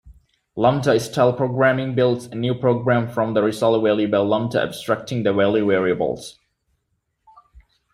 Lambda-style programming builds a new program from the result-value by lambda-abstracting the value variables.